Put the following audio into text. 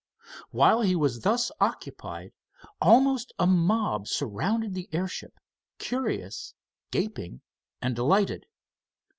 While he was thus occupied almost a mob surrounded the airship, curious, gaping and delighted.